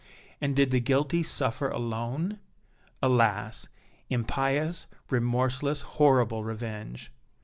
And did the guilty suffer alone? Alas! impious, remorseless, horrible revenge!